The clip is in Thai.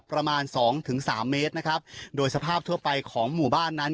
ประมาณ๒๓เมตรโดยสภาพทั่วไปของหมู่บ้านนั้น